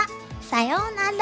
さようなら！